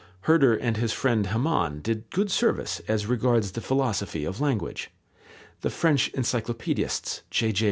Herder and his friend Hamann did good service as regards the philosophy of language. The French encyclopaedists, J.J.